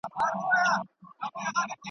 په خپل شعر او ستا په ږغ یې ویښومه.